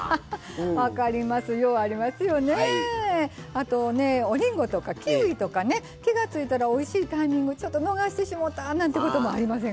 あとねおりんごとかキウイとかね気が付いたらおいしいタイミングちょっと逃してしもたなんてこともありませんか？